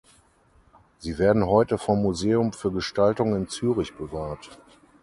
Sie werden heute vom Museum für Gestaltung in Zürich bewahrt.